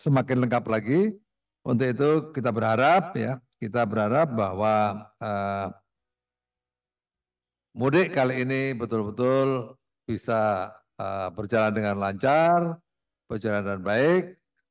mudik kali ini betul betul bisa berjalan dengan lancar berjalan dengan baik